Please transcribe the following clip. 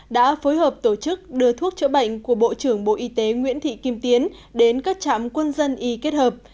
đã phối hợp tổ chức đưa thuốc chữa bệnh của bộ trưởng bộ y tế nguyễn thị kim tiến đến các trạm quân dân y kết hợp